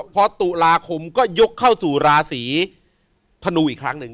พอตุลาคมก็ยกเข้าสู่ราศีธนูอีกครั้งหนึ่ง